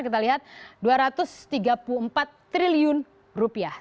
kita lihat dua ratus tiga puluh empat triliun rupiah